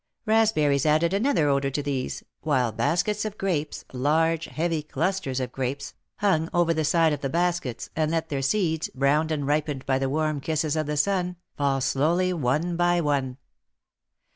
Raspberries added another odor to these, while baskets of grapes, large, heavy clusters of grapes, hung over the side of the baskets, and let their seeds, browned and ripened by the warm kisses of the sun, fall slowly one by one.